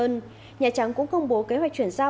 tổng thống mỹ joe biden cũng công bố kế hoạch chuyển giao